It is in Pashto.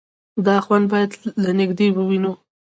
_دا خوند بايد له نږدې ووينو.